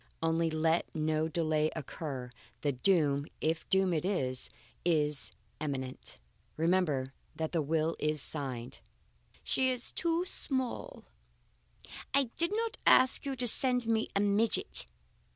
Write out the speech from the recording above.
Only, let no delay occur. The doom, if doom it is, is immanent. Remember that the will is signed. "She is too small; I did not ask you to send me a midget."